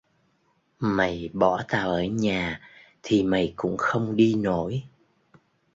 Mày bỏ tao ở nhà thì mày cũng không đi nổi